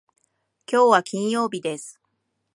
きょうは金曜日です。